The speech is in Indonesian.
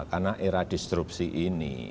karena era disrupsi ini